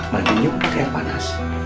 mandinya yuk kayak panas